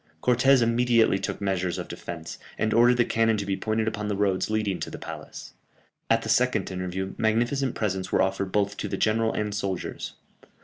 Cortès immediately took measures of defence, and ordered the cannon to be pointed upon the roads leading to the palace. At the second interview, magnificent presents were offered both to the general and soldiers.